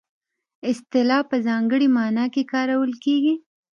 اصطلاح په ځانګړې مانا کې کارول کیږي